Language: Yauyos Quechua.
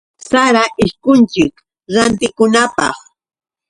Sara ishkunchik rantikunapaq.